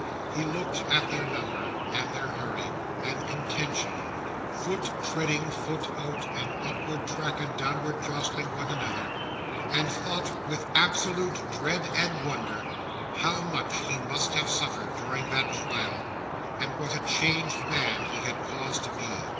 He looked at their number, and their hurry, and contention—foot treading foot out, and upward track and downward jostling one another—and thought, with absolute dread and wonder, how much he must have suffered during that trial, and what a changed man he had cause to be.